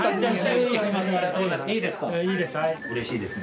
いいですか？